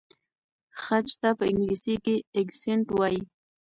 خج ته په انګلیسۍ کې اکسنټ وایي.